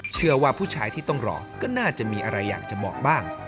เชื่อว่าผู้ชายที่ต้องรอก็น่าจะมีอะไรอยากจะบอกบ้าง